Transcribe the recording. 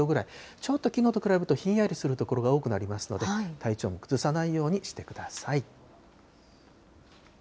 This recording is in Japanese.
ちょっときのうと比べると、ひんやりとする所が多くなりますので、体調を崩さないようにしてください。